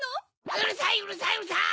うるさいうるさいうるさい！